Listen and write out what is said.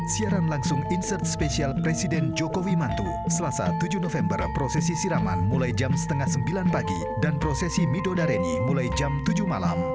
siaran langsung insight spesial presiden jokowi mantu selasa tujuh november prosesi siraman mulai jam setengah sembilan pagi dan prosesi midodareni mulai jam tujuh malam